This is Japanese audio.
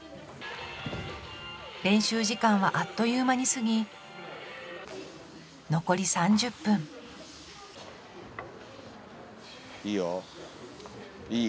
練習時間はあっという間に過ぎ残り３０分いいよいい。